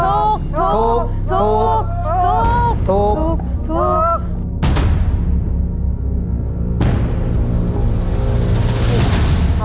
รู้จักข้าวสีนี่ไหมครู